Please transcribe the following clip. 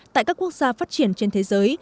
tại các quốc gia phát triển trên thế giới